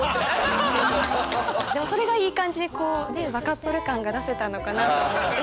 でもそれがいい感じにバカップル感が出せたのかなと思って。